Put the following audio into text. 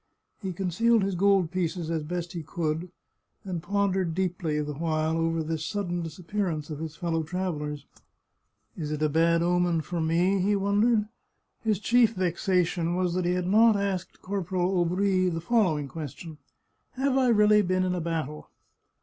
He concealed his gold pieces as best he could, and pondered deeply the while over this sudden disappearance of his fel low travellers. " Is it a bad omen for me ?" he wondered. His chief vexation was that he had not asked Corporal Aubry the following question :" Have I really been in a battle